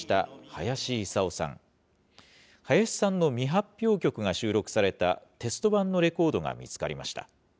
林さんの未発表曲が収録されたテスト盤のレコードが見つかりました。